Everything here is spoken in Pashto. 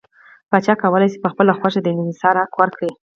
پاچا کولای شول په خپله خوښه د انحصار حق ورکړي.